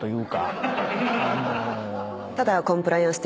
ただ。